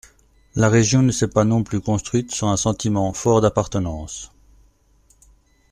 La région ne s’est pas non plus construite sur un sentiment fort d’appartenance.